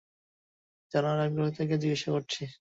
জানার আগ্রহ থেকেই জিজ্ঞাসা করছি।